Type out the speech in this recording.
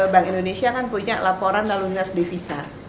bank indonesia kan punya laporan lalu lintas divisa